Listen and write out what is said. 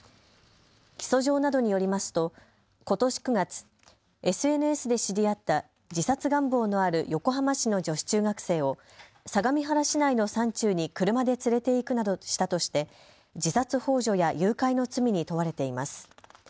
起訴状などによりますとことし９月、ＳＮＳで知り合った自殺願望のある横浜市の女子中学生を相模原市内の山中に車で連れて行くなどしたとして自殺ほう助や誘拐の罪に問われています。